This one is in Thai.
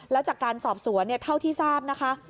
แล้วจากการสอบสวนเท่าที่ทราบนะคะ